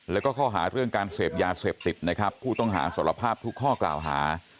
แล้วก็ข้อหาเรื่องการเสพยาเสพติดนะครับผู้ต้องหาสารภาพทุกข้อกล่าวหา